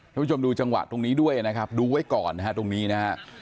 ผู้ชมดูจังหวะตรงนี้ด้วยนะครับดูไว้ก่อนนะฮะตรงนี้นะฮะ